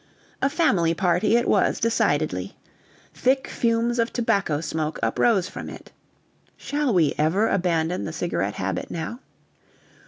A family party it was, decidedly. Thick fumes of tobacco smoke uprose from it. (Shall we ever abandon the cigarette habit, now?)